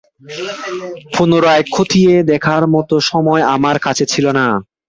পুনরায় খতিয়ে দেখার মতো সময় আমার কাছে ছিল না।